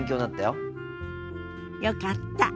よかった。